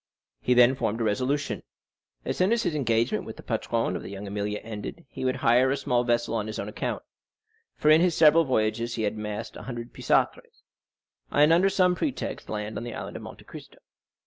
He then formed a resolution. As soon as his engagement with the patron of La Jeune Amélie ended, he would hire a small vessel on his own account—for in his several voyages he had amassed a hundred piastres—and under some pretext land at the Island of Monte Cristo.